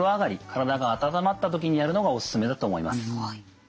体が温まった時にやるのがお勧めだと思います。